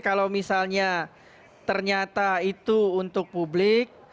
kalau misalnya ternyata itu untuk publik